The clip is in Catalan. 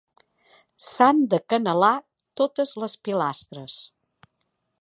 S'han d'acanalar totes les pilastres.